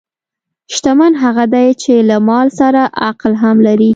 شتمن هغه دی چې له مال سره عقل هم لري.